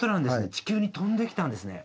地球に飛んできたんですね。